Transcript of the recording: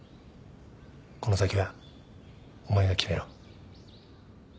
この先はお前が決めろ。